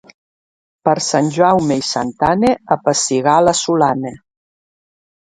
Per Sant Jaume i Santa Anna, a pessigar a la Solana.